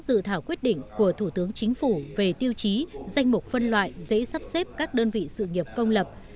dự thảo quyết định của thủ tướng chính phủ về tiêu chí danh mục phân loại dễ sắp xếp các đơn vị sự nghiệp công lập